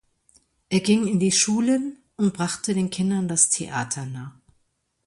Er ging in die Schulen und brachte den Kindern das Theater nah.